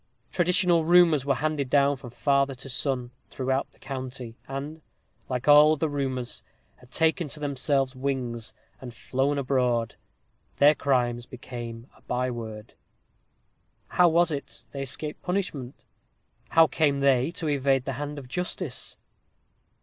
Traditional rumors were handed down from father to son, throughout the county, and, like all other rumors, had taken to themselves wings, and flown abroad; their crimes became a by word. How was it they escaped punishment? How came they to evade the hand of justice?